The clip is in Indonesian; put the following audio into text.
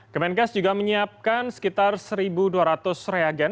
kemenkes juga menyiapkan sekitar satu dua ratus reagen